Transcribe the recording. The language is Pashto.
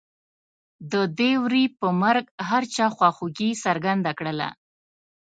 د دې وري په مرګ هر چا خواخوږي څرګنده کړله.